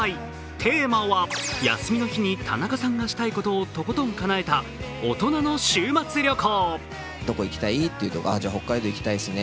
テーマは休みの日に田中さんがしたいことをとことんかなえた大人の週末旅行。